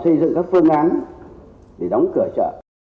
xây dựng các phương án để đóng cửa chợ